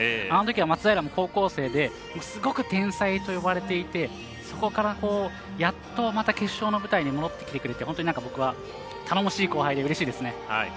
あのときは松平も高校生ですごく天才と呼ばれていてそこから、やっとまた決勝の舞台に戻ってきてくれて本当に僕は、頼もしい後輩でうれしいですね。